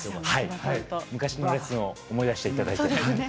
昔のレッスンを思い出していただいて。